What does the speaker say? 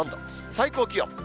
最高気温。